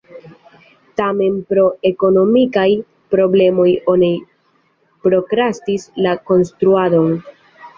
Tamen pro ekonomikaj problemoj oni prokrastis la konstruadon.